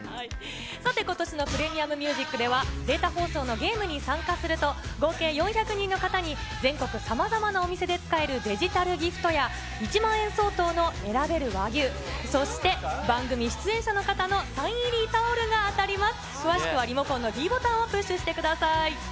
さて、ことしのＰｒｅｍｉｕｍＭｕｓｉｃでは、データ放送のゲームに参加すると、合計４００人の方に、全国さまざまなお店で使えるデジタルギフトや、１万円相当の選べる和牛、そして、番組出演者の方のサイン入りタオルが当たります。